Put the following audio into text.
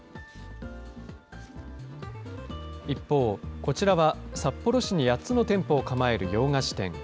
一方、こちらは札幌市に８つの店舗を構える洋菓子店。